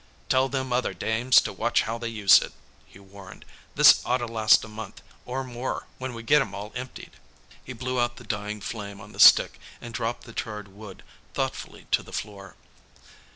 "Tell them other dames to watch how they use it!" he warned. "This oughta last a month or more when we get him all emptied." He blew out the dying flame on the stick and dropped the charred wood thoughtfully to the floor.